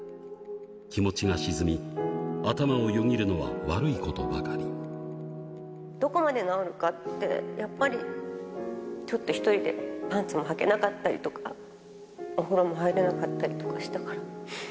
気持ちが沈み、頭をよぎるのは悪どこまで治るかって、やっぱりちょっと一人でパンツもはけなかったりとか、お風呂も入れなかったりとかしたから。